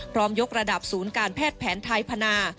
ยกระดับศูนย์การแพทย์แผนไทยพนา